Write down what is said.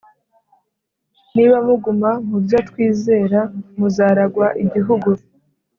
niba muguma mu byo twizera muzaragwa igihugu